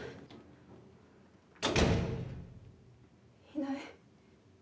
いない。